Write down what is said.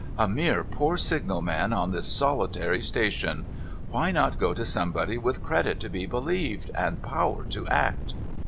A mere poor signal man on this solitary station ! AVhy not go to somebody with credit to be believed, and power to act